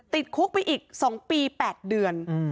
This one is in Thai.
ติดคุกไปอีก๒ปี๘เดือน